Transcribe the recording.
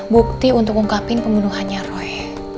bukti untuk ungkapin pembunuhannya roy